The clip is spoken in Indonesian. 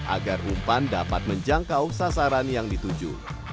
agar umpan dapat menjangkau sasaran yang dituju